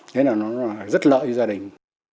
thế là nó rất lợi cho gia đình